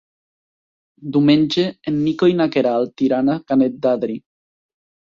Diumenge en Nico i na Queralt iran a Canet d'Adri.